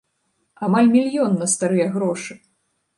Амаль мільён на старыя грошы!